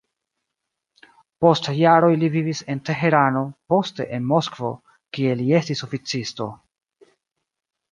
Post jaroj li vivis en Teherano, poste en Moskvo, kie li estis oficisto.